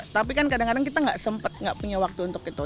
tapi kan kadang kadang kita nggak sempat nggak punya waktu untuk itu